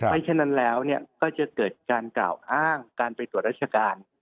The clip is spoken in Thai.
ฉะนั้นแล้วก็จะเกิดการกล่าวอ้างการไปตรวจราชการ